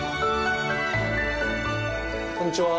こんにちは。